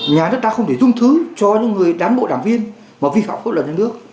nhà nước ta không thể dung thứ cho những người đán bộ đảng viên mà vi phạm pháp luật trong nước